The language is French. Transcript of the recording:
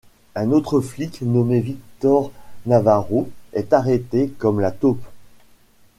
Un autre flic nommé Victor Navarro est arrêté comme la taupe.